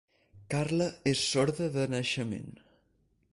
Carla és sorda de naixement.